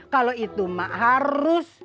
kalo itu mak harus